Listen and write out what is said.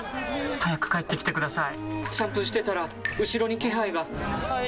早く帰ってきてください！